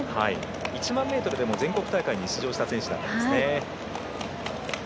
１００００ｍでも全国大会に出場した選手なんですね。